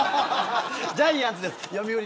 ジャイアンツです。